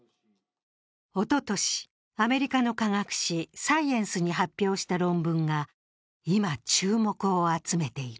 おととし、アメリカの科学誌「サイエンス」に発表した論文が今、注目を集めている。